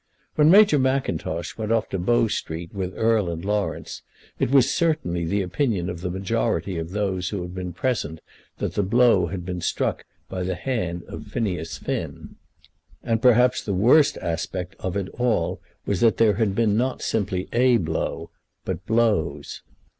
When Major Mackintosh went off to Bow Street with Erle and Laurence, it was certainly the opinion of the majority of those who had been present that the blow had been struck by the hand of Phineas Finn. And perhaps the worst aspect of it all was that there had been not simply a blow, but blows.